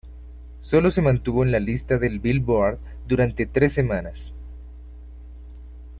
Sólo se mantuvo en la lista del Billboard durante tres semanas.